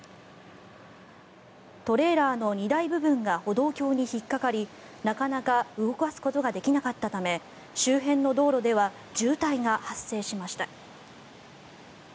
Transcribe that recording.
トレーラーの荷台部分が歩道橋に引っかかりなかなか動かすことができなかったため周辺の道路では渋滞が発生しました。